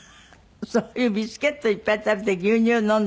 そういうビスケットいっぱい食べて牛乳を飲んで。